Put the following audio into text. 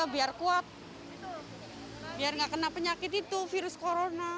biar kuat biar nggak kena penyakit itu virus corona